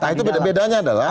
nah itu bedanya adalah